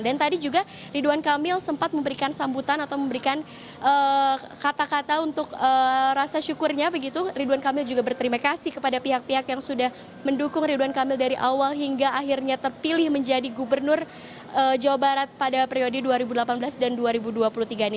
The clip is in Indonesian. dan tadi juga ridwan kamil sempat memberikan sambutan atau memberikan kata kata untuk rasa syukurnya begitu ridwan kamil juga berterima kasih kepada pihak pihak yang sudah mendukung ridwan kamil dari awal hingga akhirnya terpilih menjadi gubernur jawa barat pada periode dua ribu delapan belas dan dua ribu dua puluh tiga ini